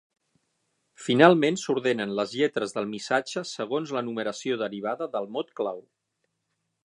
Finalment s'ordenen les lletres del missatge segons la numeració derivada del mot clau.